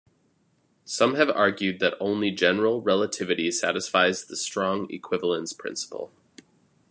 Some have argued that only general relativity satisfies the strong equivalence principle.